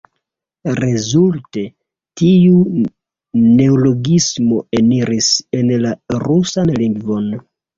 Rezulte, tiu neologismo eniris en la rusan lingvon.